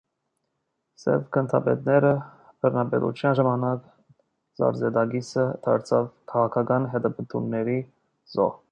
Սև գնդապետների բռնապետության ժամանակ Սարդզետակիսը դարձավ քաղաքական հետապնդումների զոհ։